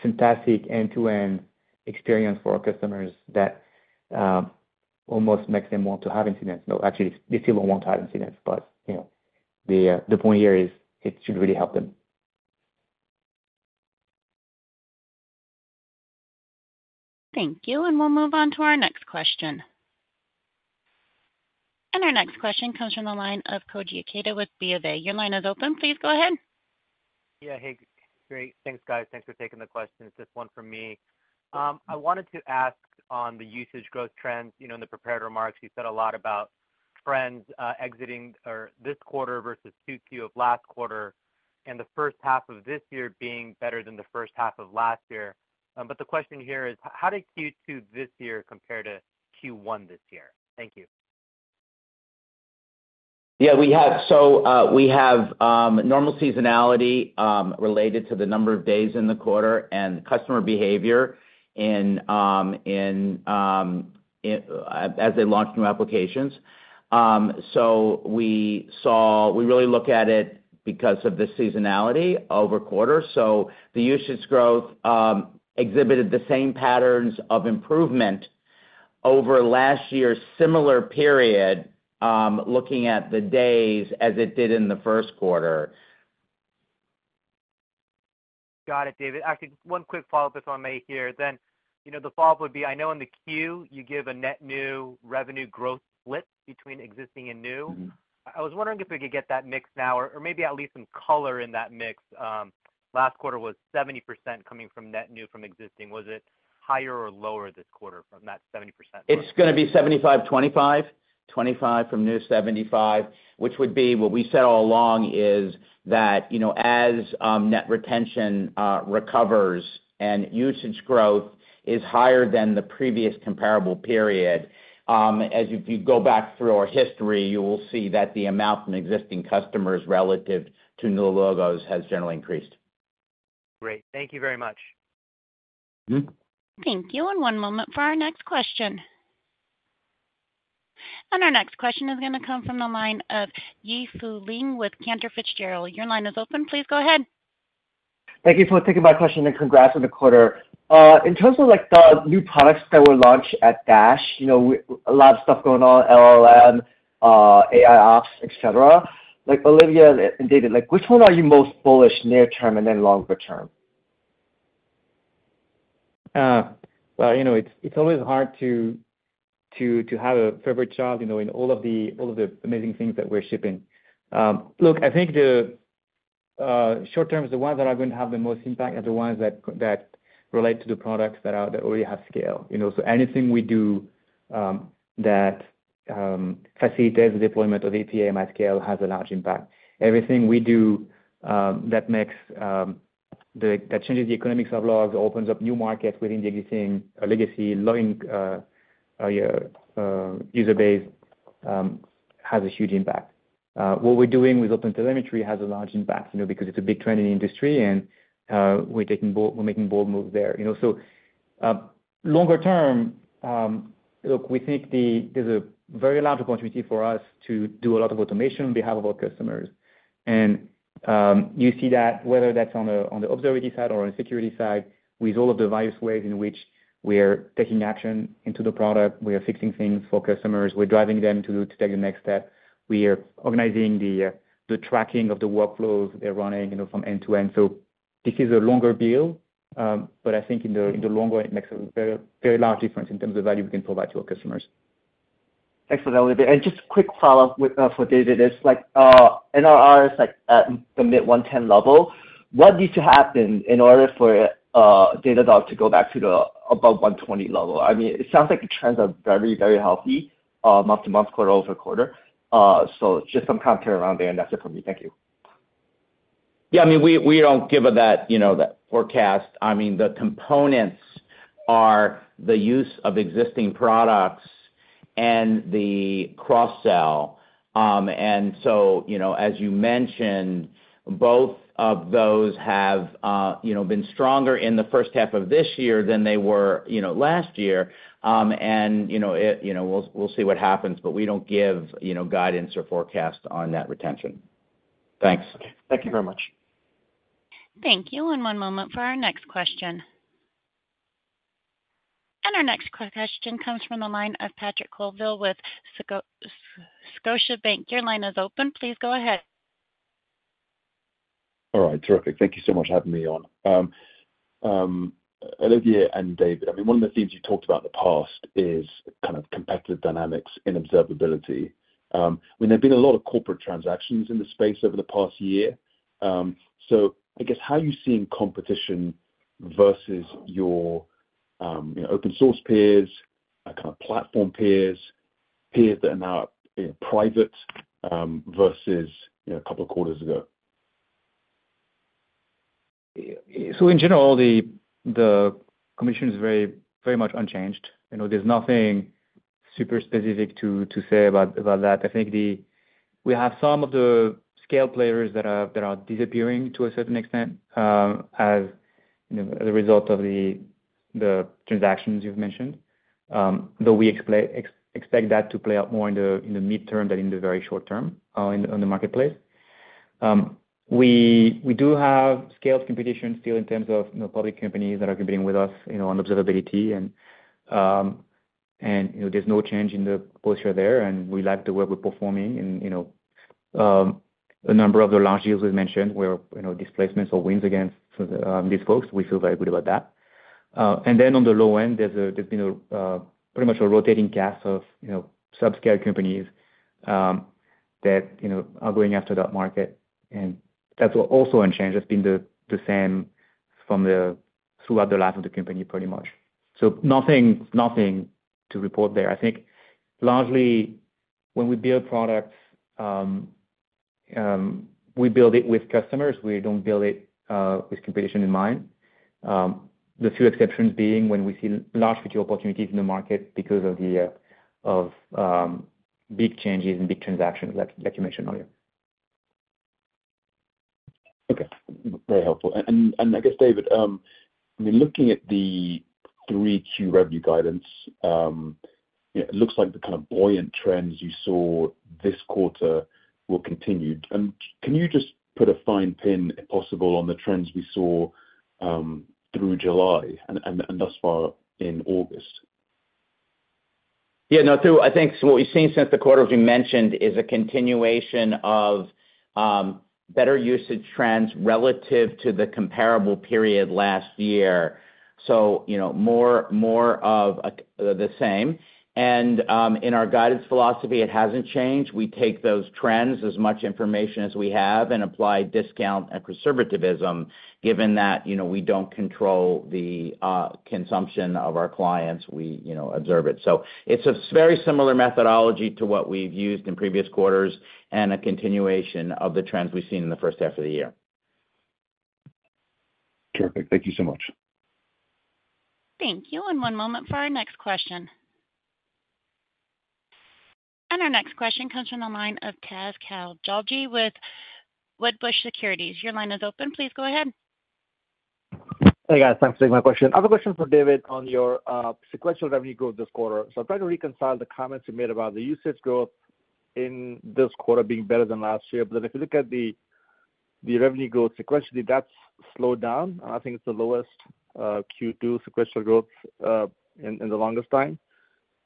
fantastic end-to-end experience for our customers that almost makes them want to have incidents. No, actually, they still won't want to have incidents, but, you know, the point here is it should really help them. Thank you, and we'll move on to our next question. Our next question comes from the line of Koji Ikeda with BofA. Your line is open. Please go ahead. Yeah. Hey, great. Thanks, guys. Thanks for taking the questions. Just one from me. I wanted to ask on the usage growth trends. You know, in the prepared remarks, you said a lot about trends, exiting or this quarter versus Q2 of last quarter, and the first half of this year being better than the first half of last year. But the question here is: How did Q2 this year compare to Q1 this year? Thank you. Yeah, we have. So we have normal seasonality related to the number of days in the quarter and customer behavior in as they launch new applications. So we really look at it because of the seasonality over quarters. So the usage growth exhibited the same patterns of improvement over last year's similar period, looking at the days as it did in the first quarter. Got it, David. Actually, one quick follow-up, if I may here, then. You know, the follow-up would be, I know in the Q, you give a net new revenue growth split between existing and new. Mm-hmm. I was wondering if we could get that mix now, or, or maybe at least some color in that mix. Last quarter was 70% coming from net new from existing. Was it higher or lower this quarter from that 70%? It's gonna be 75, 25. 25 from new, 75, which would be what we said all along, is that, you know, as net retention recovers and usage growth is higher than the previous comparable period, as if you go back through our history, you will see that the amount from existing customers relative to new logos has generally increased. Great. Thank you very much. Mm-hmm. Thank you, and one moment for our next question. Our next question is gonna come from the line of Yi Fu Lee with Cantor Fitzgerald. Your line is open. Please go ahead. Thank you for taking my question, and congrats on the quarter. In terms of, like, the new products that were launched at DASH, you know, a lot of stuff going on, LLM, AIOps, et cetera, like, Olivier and David, like, which one are you most bullish near term and then longer term? Well, you know, it's always hard to have a favorite child, you know, in all of the amazing things that we're shipping. Look, I think the short term is the ones that are going to have the most impact are the ones that relate to the products that already have scale, you know. So anything we do that facilitates the deployment of APM at scale has a large impact. Everything we do that changes the economics of logs opens up new markets within the existing legacy incumbent user base has a huge impact. What we're doing with OpenTelemetry has a large impact, you know, because it's a big trend in the industry, and we're making bold moves there. You know, so, longer term, look, we think there's a very large opportunity for us to do a lot of automation on behalf of our customers. And, you see that, whether that's on the observability side or on the security side, with all of the various ways in which we are taking action into the product, we are fixing things for customers, we're driving them to take the next step. We are organizing the tracking of the workflows they're running, you know, from end to end. So this is a longer view, but I think in the long run, it makes a very, very large difference in terms of the value we can provide to our customers. Thanks for that, Olivier. And just a quick follow-up with, for David is, like, NRR is like at the mid-110 level. What needs to happen in order for, Datadog to go back to the above 120 level? I mean, it sounds like the trends are very, very healthy, month-to-month, quarter-over-quarter. So just some commentary around there, and that's it for me. Thank you. Yeah, I mean, we don't give that, you know, that forecast. I mean, the components are the use of existing products and the cross-sell. And so, you know, as you mentioned, both of those have, you know, been stronger in the first half of this year than they were, you know, last year. And, you know, it, you know, we'll see what happens, but we don't give, you know, guidance or forecast on net retention. Thanks. Thank you very much. Thank you, and one moment for our next question. Our next question comes from the line of Patrick Colville with Scotiabank. Your line is open. Please go ahead. All right, terrific. Thank you so much for having me on. Olivier and David, I mean, one of the themes you talked about in the past is kind of competitive dynamics in observability. I mean, there have been a lot of corporate transactions in the space over the past year. So I guess, how are you seeing competition versus your, you know, open source peers, kind of platform peers, peers that are now, you know, private, versus, you know, a couple of quarters ago? So in general, the commission is very, very much unchanged. You know, there's nothing super specific to say about that. I think the... We have some of the scale players that are disappearing to a certain extent, as, you know, as a result of the transactions you've mentioned. Though we expect that to play out more in the midterm than in the very short term, in the marketplace. We do have scaled competition still in terms of, you know, public companies that are competing with us, you know, on observability. And, you know, there's no change in the posture there, and we like the way we're performing. You know, a number of the large deals we've mentioned, where, you know, displacements or wins against these folks, we feel very good about that. And then on the low end, there's been a pretty much a rotating cast of, you know, sub-scale companies that, you know, are going after that market, and that's also unchanged. That's been the same throughout the life of the company, pretty much. So nothing to report there. I think largely when we build products, we build it with customers. We don't build it with competition in mind. The few exceptions being when we see large vertical opportunities in the market because of the big changes and big transactions, like you mentioned earlier. Okay. Very helpful. And I guess, David, I mean, looking at the 3Q revenue guidance, it looks like the kind of buoyant trends you saw this quarter will continue. And can you just put a fine point, if possible, on the trends we saw through July and thus far in August? Yeah, no, so I think what we've seen since the quarter, as we mentioned, is a continuation of better usage trends relative to the comparable period last year. So, you know, more, more of the same. And in our guidance philosophy, it hasn't changed. We take those trends as much information as we have and apply discount and conservativism, given that, you know, we don't control the consumption of our clients, we, you know, observe it. So it's a very similar methodology to what we've used in previous quarters and a continuation of the trends we've seen in the first half of the year. Terrific. Thank you so much. Thank you, and one moment for our next question. Our next question comes from the line of Imtiaz Koujalgi with Wedbush Securities. Your line is open. Please go ahead. Hey, guys. Thanks for taking my question. I have a question for David on your sequential revenue growth this quarter. So I'm trying to reconcile the comments you made about the usage growth in this quarter being better than last year. But if you look at the revenue growth sequentially, that's slowed down. I think it's the lowest Q2 sequential growth in the longest time.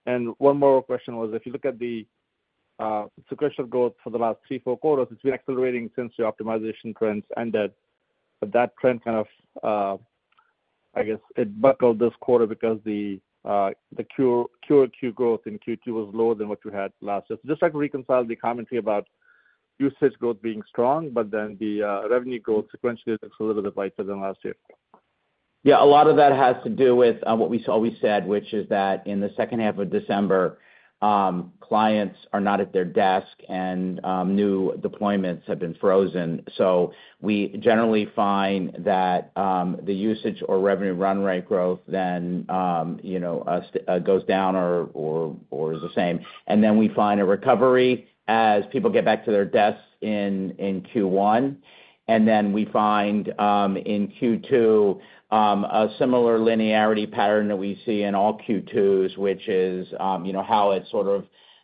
And one more question was, if you look at the sequential growth for the last three, four quarters, it's been accelerating since the optimization trends ended, but that trend kind of I guess it buckled this quarter because the Q2 growth in Q2 was lower than what you had last year. Just like to reconcile the commentary about usage growth being strong, but then the, revenue growth sequentially looks a little bit lighter than last year. Yeah, a lot of that has to do with what we saw—we said, which is that in the second half of December, clients are not at their desk and new deployments have been frozen. So we generally find that the usage or revenue run rate growth then, you know, goes down or is the same. And then we find a recovery as people get back to their desks in Q1, and then we find in Q2 a similar linearity pattern that we see in all Q2s, which is, you know, how it sort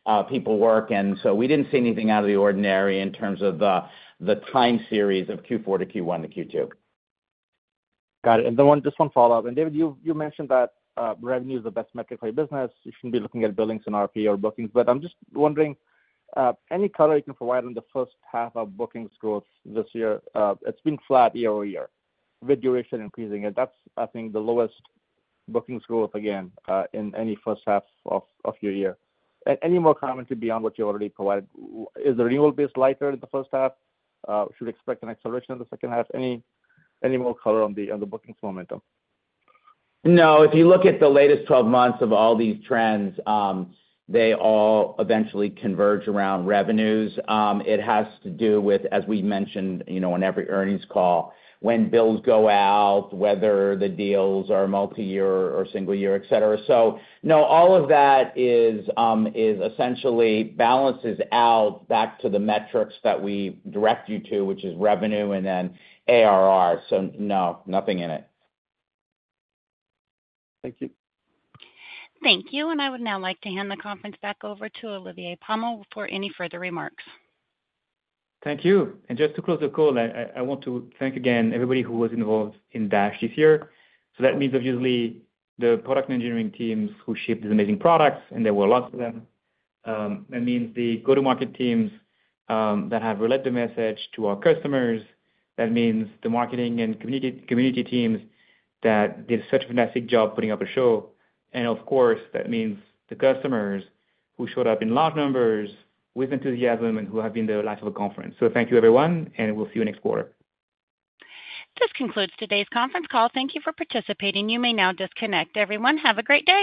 of people work. And so we didn't see anything out of the ordinary in terms of the time series of Q4 to Q1 to Q2. Got it. And then just one follow-up. And David, you, you mentioned that revenue is the best metric for your business. You shouldn't be looking at billings and RPO or bookings. But I'm just wondering, any color you can provide on the first half of bookings growth this year? It's been flat year-over-year, with duration increasing, and that's, I think, the lowest bookings growth again in any first half of your year. Any more commentary beyond what you already provided? Is the renewal base lighter in the first half? Should we expect an acceleration in the second half? Any more color on the bookings momentum? No. If you look at the latest 12 months of all these trends, they all eventually converge around revenues. It has to do with, as we mentioned, you know, on every earnings call, when bills go out, whether the deals are multi-year or single year, et cetera. So no, all of that is essentially balances out back to the metrics that we direct you to, which is revenue and then ARR. So no, nothing in it. Thank you. Thank you, and I would now like to hand the conference back over to Olivier Pomel for any further remarks. Thank you. And just to close the call, I want to thank again everybody who was involved in DASH this year. So that means obviously the product and engineering teams who shipped these amazing products, and there were lots of them. That means the go-to-market teams that have relayed the message to our customers. That means the marketing and community teams that did such a fantastic job putting up a show. And of course, that means the customers who showed up in large numbers with enthusiasm and who have been the life of the conference. So thank you, everyone, and we'll see you next quarter. This concludes today's conference call. Thank you for participating. You may now disconnect. Everyone, have a great day.